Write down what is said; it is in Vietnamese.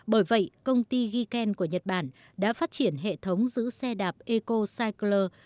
bởi vậy công ty giken của nhật bản đã phát triển hệ thống giữ xe đạp ecocycle